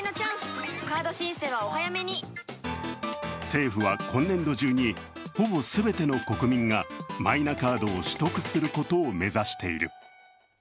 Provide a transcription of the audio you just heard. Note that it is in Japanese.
政府は今年度中にほぼ全ての国民がマイナカードを取得することを目指している。